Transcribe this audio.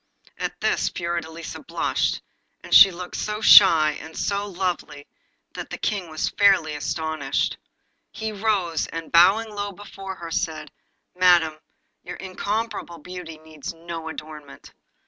At this Fiordelisa blushed, and looked so shy and so lovely, that the King was fairly astonished. He rose, and bowing low before her, said 'Madam, your incomparable beauty needs no adornment.